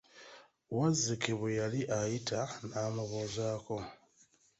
Wazzike bwe yali ayita n'amubuuzaako.